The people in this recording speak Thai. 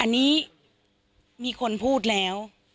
อันนี้มีคนพูดแล้ว